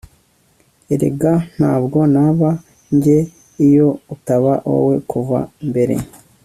erega ntabwo naba njye iyo utaba wowe kuva mbere